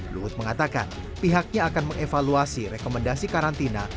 luhut mengatakan pihaknya akan mengevaluasi rekomendasi karantina